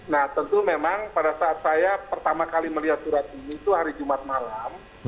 nah tentu memang pada saat saya pertama kali melihat surat ini itu hari jumat malam